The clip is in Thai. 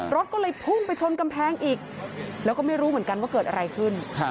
รถก็เลยพุ่งไปชนกำแพงอีกแล้วก็ไม่รู้เหมือนกันว่าเกิดอะไรขึ้น